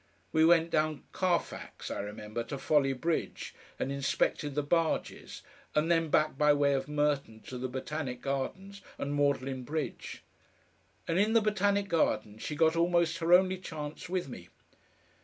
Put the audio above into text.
We went down Carfex, I remember, to Folly Bridge, and inspected the Barges, and then back by way of Merton to the Botanic Gardens and Magdalen Bridge. And in the Botanic Gardens she got almost her only chance with me.